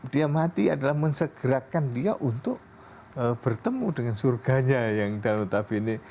dia mati adalah mensegerakan dia untuk bertemu dengan surganya yang dalam notabene